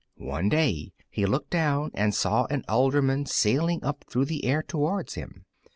One day he looked down and saw an alderman sailing up through the air towards him.